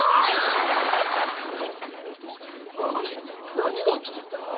何が起きてんだ？